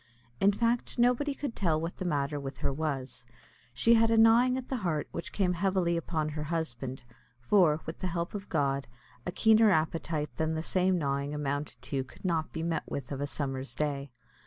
In fact nobody could tell what the matter with her was. She had a gnawing at the heart which came heavily upon her husband; for, with the help of God, a keener appetite than the same gnawing amounted to could not be met with of a summer's day.